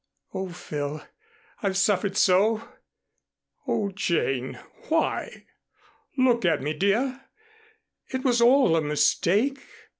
Oh, Phil, I've suffered so." "Oh, Jane, why? Look at me, dear. It was all a mistake.